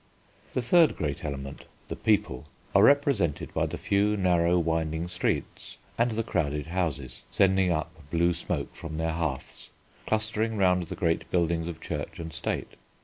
The third great element, the People, are represented by the few narrow, winding streets and the crowded houses, sending up blue smoke from their hearths, clustering round the great buildings of Church and State.